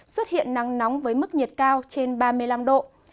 xuất hiện nắng nóng với mức nhiệt cao trên ba mươi năm độ